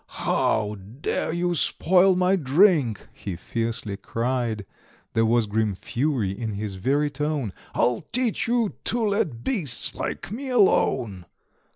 "How dare you spoil my drink?" he fiercely cried; There was grim fury in his very tone; "I'll teach you to let beasts like me alone.